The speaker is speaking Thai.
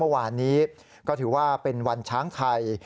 เมื่อวานนี้ก็ถือว่าเป็นวันช้างไทย